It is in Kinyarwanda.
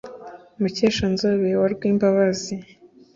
mukesha-nzobe wa rwimbabazi,